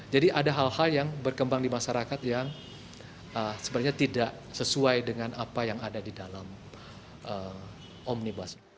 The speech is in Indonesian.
jadi ada hal hal yang berkembang di masyarakat yang sebenarnya tidak sesuai dengan apa yang ada di dalam omnibus